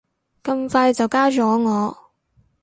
咁快就加咗我